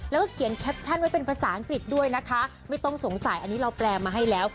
แล้วก็เขียนแคปชั่นไว้เป็นภาษาอังกฤษด้วยนะคะไม่ต้องสงสัยอันนี้เราแปลมาให้แล้ว